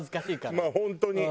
まあ本当に。